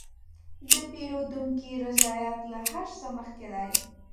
د پیرودونکي رضایت له هر څه مخکې دی.